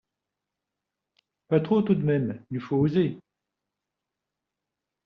Pas trop tout de même, il faut oser!